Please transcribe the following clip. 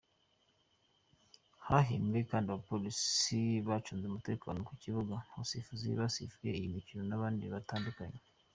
Hahembwe kandi abapolisi bacunze umutekano ku bibuga, abasifuzi basifuye iyi mikino n’abandi batandukanye.